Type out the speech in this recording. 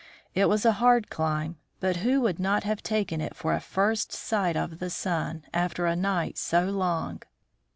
It was a hard climb, but who would not have taken it for a first sight of the sun, after a night so long